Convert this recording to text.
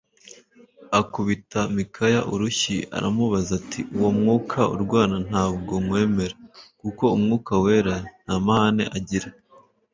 akubita Mikaya urushyi aramubaza ati Uwo mwuka urwana ntabwo nywemera kuko umwuka wera ntamahane agira.